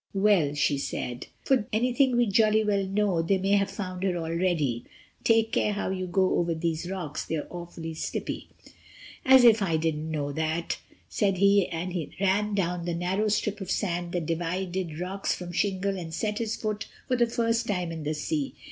"Well," she said, "for anything we jolly well know, they may have found her already. Take care how you go over these rocks, they're awfully slippy." "As if I didn't know that," said he, and ran across the narrow strip of sand that divided rocks from shingle and set his foot for the first time in The Sea.